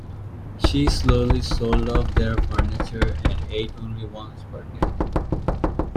She slowly sold off their furniture and ate only once per day.